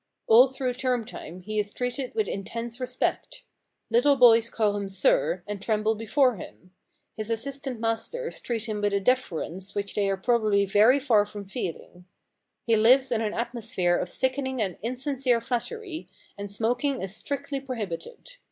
All through term time he is treated with intense respect. Little boys call 230 The Pig Keeper's Problem him sir, and tremble before him. His assistant masters treat him with a deference which they are probably very far from feeling. He lives in an atmosphere of sickening and insincere flattery, and smoking is strictly prohibited.